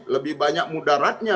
lebih banyak mudaratnya